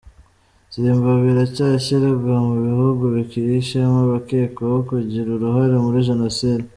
Zimbabwe iracyashyirwa mu bihugu bikihishemo abakekwaho kugira uruhare muri Jenoside.